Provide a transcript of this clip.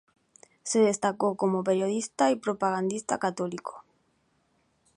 Se destacó como periodista y propagandista católico.